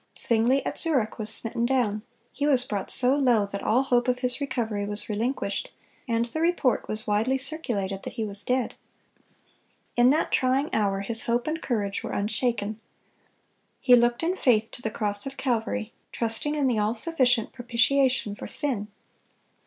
Zwingle at Zurich was smitten down; he was brought so low that all hope of his recovery was relinquished, and the report was widely circulated that he was dead. In that trying hour his hope and courage were unshaken. He looked in faith to the cross of Calvary, trusting in the all sufficient propitiation for sin.